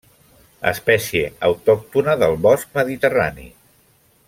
Espècie autòctona del bosc mediterrani.